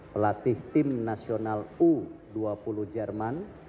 pelatih tim nasional u dua puluh jerman